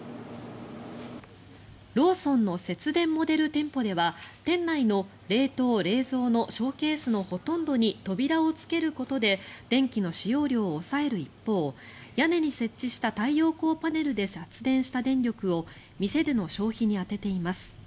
ローソンの節電モデル店舗では店内の冷凍・冷蔵のショーケースのほとんどに扉をつけることで電気の使用量を抑える一方屋根に設置した太陽光パネルで発電した電力を店での消費に充てています。